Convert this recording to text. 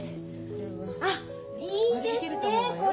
あっいいですねこれ。